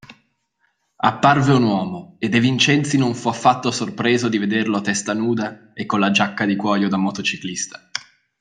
Apparve un uomo e De Vincenzi non fu affatto sorpreso di vederlo a testa nuda e con la giacca di cuoio da motociclista.